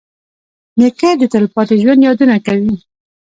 نیکه د تلپاتې ژوند یادونه کوي.